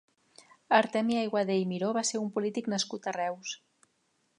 Artemi Aiguader i Miró va ser un polític nascut a Reus.